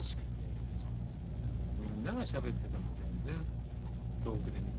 みんながしゃべってても全然遠くで見てるだけで。